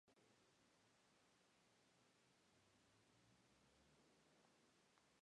El objetivo del festival es implementar un circuito de promoción cinematográfica para realizadores nacionales.